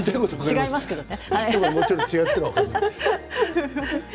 違いますけどね。